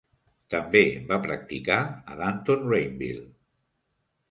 També va practicar a Dunton Rainville.